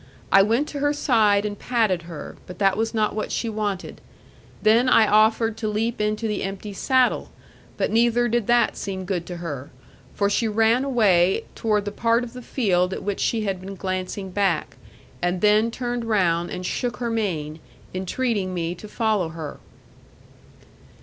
I went to her side and patted her; but that was not what she wanted. Then I offered to leap into the empty saddle; but neither did that seem good to her: for she ran away toward the part of the field at which she had been glancing back, and then turned round, and shook her mane, entreating me to follow her.